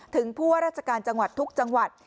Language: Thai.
ถึงผู้ราชการจังหวัดทุกจังหวัด